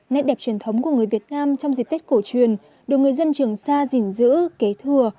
nét đẹp truyền thống của người việt nam trong dịp tết cổ truyền được người dân trường sa gìn giữ kế thừa